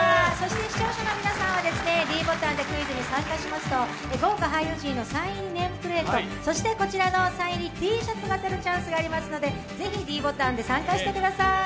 視聴者の皆さんにはｄボタンでクイズに参加しますと、豪華俳優陣のサイン入りネームプレートそしてこちらのサイン入りＴシャツが当たるチャンスがありますのでぜひｄボタンで参加してください。